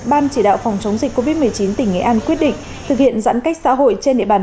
ban chỉ đạo phòng chống dịch covid một mươi chín tỉnh nghệ an quyết định thực hiện giãn cách xã hội trên địa bàn